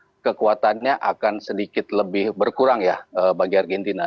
tapi kekuatannya akan sedikit lebih berkurang ya bagi argentina